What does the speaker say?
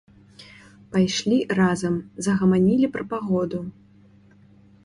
Пайшлі разам, загаманілі пра пагоду.